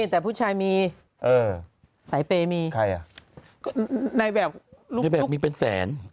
แต่ผู้ชายมีสายเปย์มีใครอ่ะก็ในแบบในแบบมีเป็นแสน